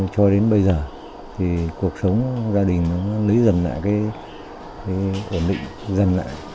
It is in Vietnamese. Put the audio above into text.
cho đến bây giờ thì cuộc sống gia đình nó lấy dần lại cái ổn định dần lại